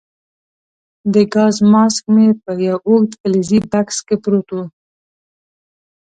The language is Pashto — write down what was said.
د ګاز ماسک مې په یو اوږد فلزي بکس کې پروت وو.